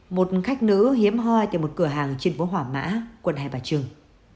một khách nữ hiếm hoa tại một cửa hàng trên phố hỏa mã quần hai bà trưng